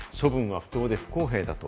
処分は不当で不公平だと。